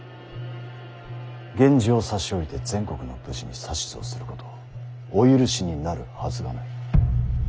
源氏を差し置いて全国の武士に指図をすることをお許しになるはずがない。